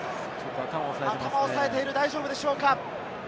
頭を押さえている、大丈夫でしょうか？